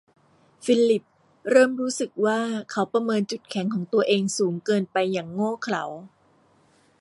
ฟิลลิปเริ่มรู้สึกว่าเขาประเมินจุดแข็งของตัวเองสูงเกินไปอย่างโง่เขลา